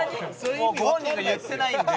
もうご本人が言ってないんで。